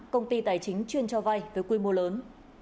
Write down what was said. công ty tài chính chuyên cho vay với quy mô lớn